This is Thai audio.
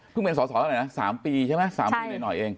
เพิ่งเป็นสอแล้วไหมสามปีใช่ไหมสามปีหน่อยเอง